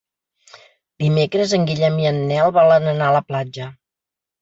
Dimecres en Guillem i en Nel volen anar a la platja.